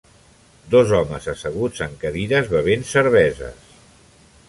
Dos homes asseguts en cadires bevent cerveses.